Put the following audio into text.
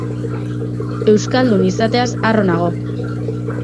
Euskaldun izateaz harro nago.